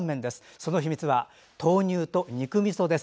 その秘密は豆乳と肉みそです。